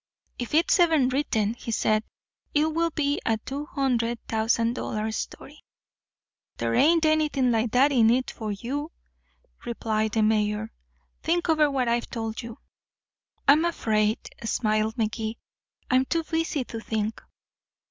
"If it's ever written," he said, "it will be a two hundred thousand dollar story." "There ain't anything like that in it for you," replied the mayor. "Think over what I've told you." "I'm afraid," smiled Magee, "I'm too busy to think."